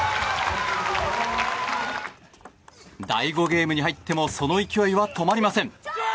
第５ゲームに入ってもその勢いは止まりません。